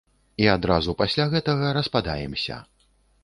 І адразу пасля гэтага распадаемся.